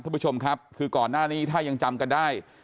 ท่านผู้ชมครับคือก่อนหน้านี้ถ้ายังจำกันได้